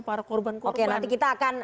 para korban korban oke nanti kita akan